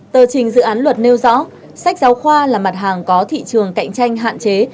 tờ trình dự án luật nêu rõ sách giáo khoa là mặt hàng có thị trường cạnh tranh hạn chế